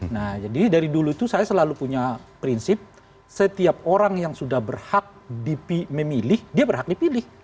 nah jadi dari dulu itu saya selalu punya prinsip setiap orang yang sudah berhak memilih dia berhak dipilih